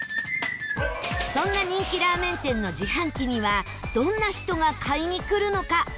そんな人気ラーメン店の自販機にはどんな人が買いに来るのか？